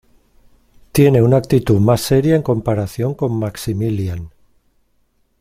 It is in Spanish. Tiene una actitud más seria en comparación con Maximilian.